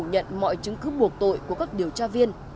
hưng phạm đã phủ nhận mọi chứng cứ buộc tội của các điều tra viên